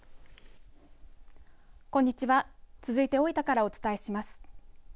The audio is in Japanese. こんにちは続いて大分からお伝えします。